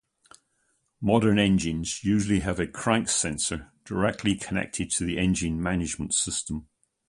Modern engines usually use a crank sensor directly connected to the engine management system.